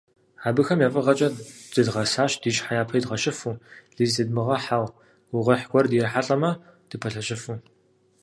Абыхэм я фӀыгъэкӀэ зедгъэсащ ди щхьэ япэ идгъэщыфу, лей зытедмыгъэхьэу, гугъуехь гуэр дрихьэлӀамэ, дыпэлъэщыфу.